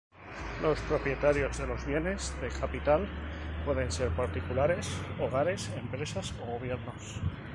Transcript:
Los propietarios de los bienes de capital pueden ser particulares, hogares, empresas o gobiernos.